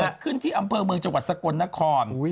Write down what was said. เกิดขึ้นที่อำเภอเมืองจังหวัดสกลนคร